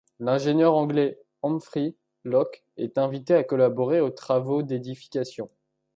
L'ingénieur anglais Hemphri Lokk est invité à collaborer aux travaux d'édifications.